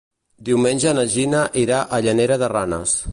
Diumenge na Gina irà a Llanera de Ranes.